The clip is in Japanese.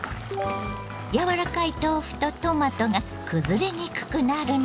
やわらかい豆腐とトマトがくずれにくくなるの。